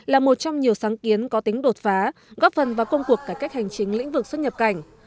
là một trong nhiều sáng kiến có tính đột phá góp phần vào công cuộc cải cách hành chính lĩnh vực xuất nhập cảnh